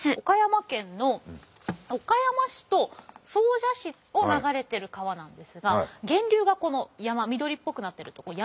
岡山県の岡山市と総社市を流れてる川なんですが源流がこの山緑っぽくなってる所。